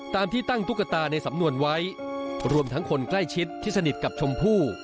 ตามที่ตั้งตุ๊กตาในสำนวนไว้รวมทั้งคนใกล้ชิดที่สนิทกับชมพู่